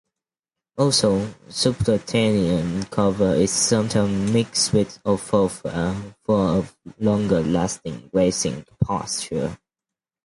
Also, subterranean clover is sometimes mixed with alfalfa for a longer-lasting grazing pasture.